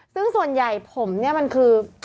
ซึ่งส่วนใหญ่ผมเนี่ยมันคือ